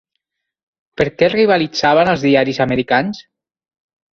Per què rivalitzaven els diaris americans?